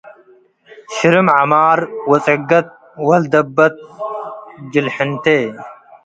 ሽርም ዐማር ወጽገት ወለደበት ጅልሕንቴ